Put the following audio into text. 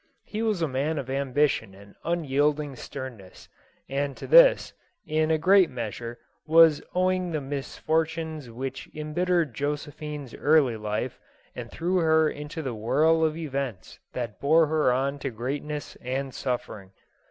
lie was a man of ambition and unyielding sternness, and to this, in a great measure, was owing the misfor tunes which embittered Josephine's early life, and threw her into the whirl of events that bore her on to greatness and suffering.